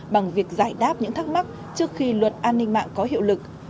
bằng việc giải đáp những thắc mắc trước khi luật an ninh mạng có hiệu lực